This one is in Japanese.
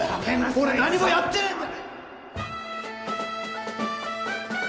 俺何もやってねえんだ！